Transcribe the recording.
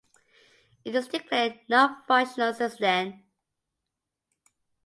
It is declared not functional since then.